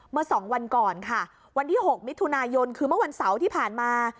เมื่อ๒วันก่อนค่ะวันที่๖มิถุนายนคือเมื่อวันเสาร์ที่ผ่านมา